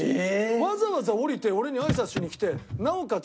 わざわざ降りて俺に挨拶しに来てなおかつ